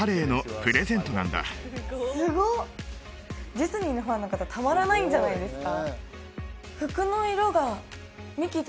ディズニーのファンの方たまらないんじゃないですか？